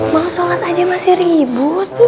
mau sholat aja masih ribut